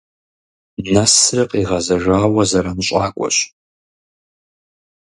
Нэсри къигъэзэжауэ зэранщӀакӀуэщ.